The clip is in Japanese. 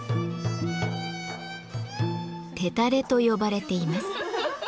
「テタレ」と呼ばれています。